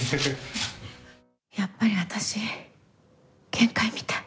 「やっぱり私限界みたい」